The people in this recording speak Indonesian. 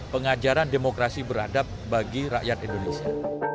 pengajaran demokrasi beradab bagi rakyat indonesia